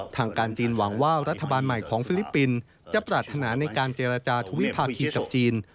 ทางการจีนหวังว่ารัฐบาลใหม่ของฟิลิปปินส์จะปรารถนาในการเจรจาธวิภาคีกับจีน